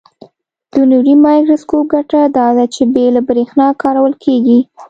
د نوري مایکروسکوپ ګټه داده چې بې له برېښنا کارول کیږي.